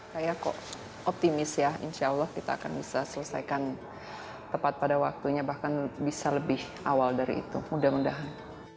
saya kok optimis ya insya allah kita akan bisa selesaikan tepat pada waktunya bahkan bisa lebih awal dari itu mudah mudahan